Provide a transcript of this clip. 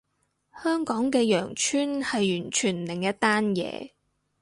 香港嘅羊村係完全另一單嘢